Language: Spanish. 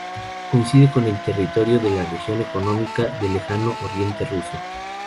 Coincide con el territorio de la región económica del Lejano Oriente ruso.